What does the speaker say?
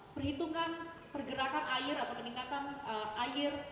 perhitungan pergerakan air atau peningkatan air